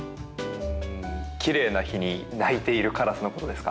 奇麗な日に鳴いているカラスのことですか？